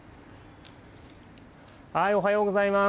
おはようございます。